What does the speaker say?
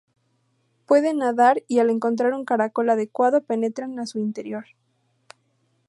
Pueden nadar, y al encontrar un caracol adecuado penetran a su interior.